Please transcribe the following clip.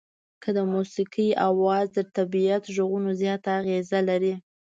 که د موسيقۍ اواز تر طبيعت غږونو زیاته اغېزه لري.